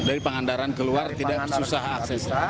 dari pangandaran keluar tidak susah aksesnya